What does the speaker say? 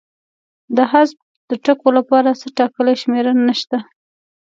د حذف د ټکو لپاره څه ټاکلې شمېر نشته.